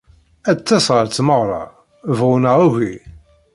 Ad d-tas ɣer tmeɣra, bɣu neɣ agi.